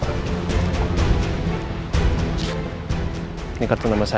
kalau anda tidak mau bicara sekarang gak apa apa